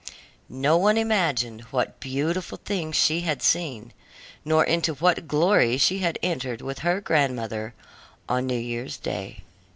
No one imagined what beautiful things she had seen, nor into what glory she had entered with her grandmother, on New year's day.